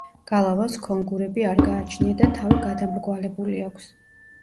გალავანს ქონგურები არ გააჩნია და თავი გადამრგვალებული აქვს.